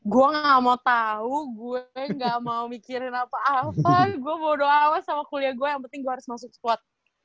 gue gak mau tahu gue gak mau mikirin apa apa gue mau doa sama kuliah gue yang penting gue harus masuk squad